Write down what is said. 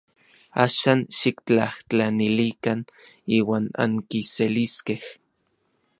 Axan xiktlajtlanilikan iuan ankiseliskej.